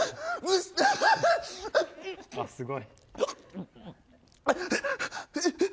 すごい。